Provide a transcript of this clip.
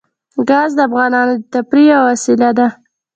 ګاز د افغانانو د تفریح یوه وسیله ده.